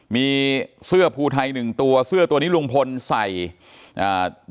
มีเสื้อภูไทยหนึ่งตัวเสื้อตัวนี้ลุงพลใส่อ่า